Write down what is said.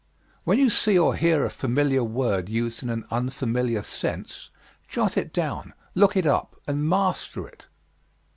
When you see or hear a familiar word used in an unfamiliar sense, jot it down, look it up, and master it.